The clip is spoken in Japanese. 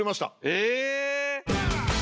え！